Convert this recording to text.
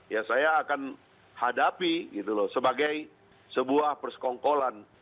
ya saya akan hadapi sebagai sebuah persekongkolan